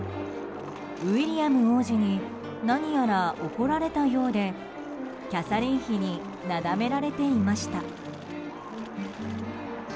ウィリアム王子に何やら怒られたようでキャサリン妃になだめられていました。